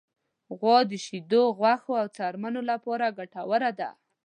غوا د شیدو، غوښې، او څرمن لپاره ګټوره ده.